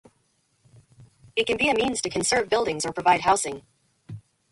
It can be a means to conserve buildings or to provide housing.